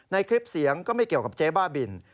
คลิปเสียงก็ไม่เกี่ยวกับเจ๊บ้าบิน